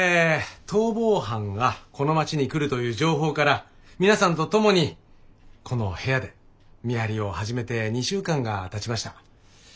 逃亡犯がこの町に来るという情報から皆さんと共にこの部屋で見張りを始めて２週間がたちました。